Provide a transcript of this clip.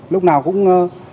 lúc nào cũng